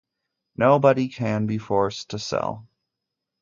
Nobody can be forced to sell.